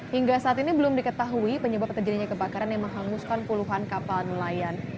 hingga saat ini belum diketahui penyebab terjadinya kebakaran yang menghanguskan puluhan kapal nelayan